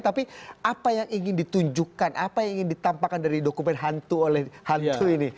tapi apa yang ingin ditunjukkan apa yang ingin ditampakkan dari dokumen hantu oleh hantu ini